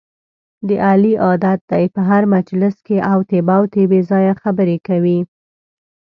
د علي عادت دی، په هر مجلس کې اوتې بوتې بې ځایه خبرې کوي.